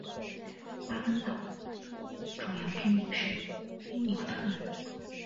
巴芬岛主要居民是因纽特人。